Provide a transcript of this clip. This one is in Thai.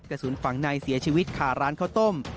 กระสุนฝังในเสียชีวิตขาร้านข้าวต้ม